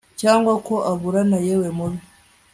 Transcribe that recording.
Cyangwa ko aburana yewe mubi